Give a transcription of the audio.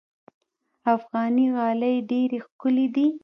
افغاني غالۍ ډېرې ښکلې دي.